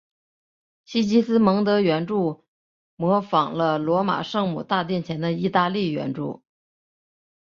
西吉斯蒙德圆柱模仿了罗马圣母大殿前的意大利圆柱。